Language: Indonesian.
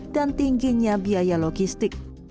dan tingginya biaya logistik